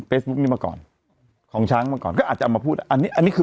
นี้มาก่อนของช้างมาก่อนก็อาจจะเอามาพูดอันนี้อันนี้คือ